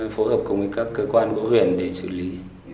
phối hợp cùng với các cơ quan của huyện để xử lý